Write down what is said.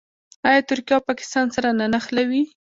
آیا ترکیه او پاکستان سره نه نښلوي؟